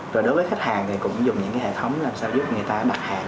rồi đối với khách hàng thì cũng dùng những cái hệ thống làm sao giúp người ta đặt hàng